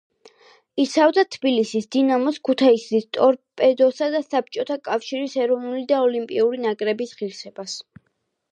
იცავდა თბილისის „დინამოს“, ქუთაისის „ტორპედოსა“ და საბჭოთა კავშირის ეროვნული და ოლიმპიური ნაკრების ღირსებას.